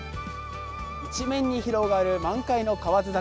一面に広がる満開の河津桜。